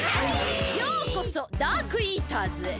ようこそダークイーターズへ。